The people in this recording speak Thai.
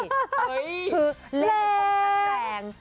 ถึงเละความคันแรง